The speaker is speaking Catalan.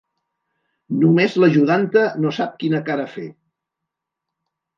Només l'ajudanta no sap quina cara fer.